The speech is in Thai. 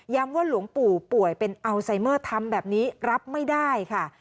ว่าหลวงปู่ป่วยเป็นอัลไซเมอร์ทำแบบนี้รับไม่ได้ค่ะ